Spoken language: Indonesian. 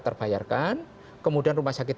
terbayarkan kemudian rumah sakit